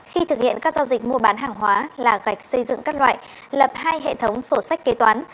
khi thực hiện các giao dịch mua bán hàng hóa là gạch xây dựng các loại lập hai hệ thống sổ sách kế toán